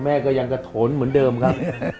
แม่ก็ยังกระทนเหมือนเดิมครับ